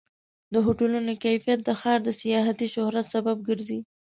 د هوټلونو کیفیت د ښار د سیاحتي شهرت سبب ګرځي.